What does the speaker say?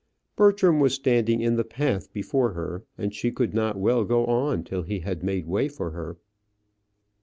Bertram was standing in the path before her, and she could not well go on till he had made way for her.